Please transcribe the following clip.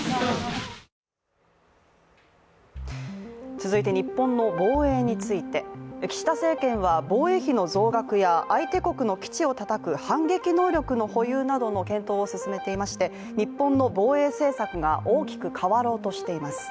続いて日本の防衛について。岸田政権は防衛費の増額や相手国の基地をたたく反撃能力の保有などの検討を始めていまして日本の防衛政策が大きく変わろうとしています